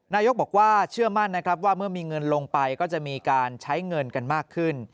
นายกบอกว่าเชื่อมั่นนะครับว่าเมื่อมีเงินลงไปก็จะมีการใช้เงินกันมากขึ้น